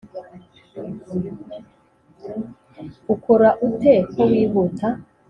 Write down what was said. ukora ute ko wihuta